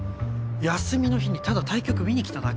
休みの日にただ対局見に来ただけだろ。